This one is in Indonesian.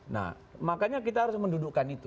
nah makanya kita harus mendudukkan itu